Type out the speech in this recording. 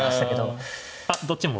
あっどっちも？